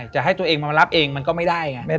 จะให้ตัวเองมารับเองมันก็ไม่ได้ไง